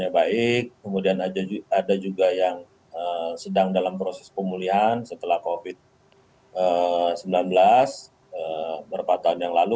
ya baik kemudian ada juga yang sedang dalam proses pemulihan setelah covid sembilan belas beberapa tahun yang lalu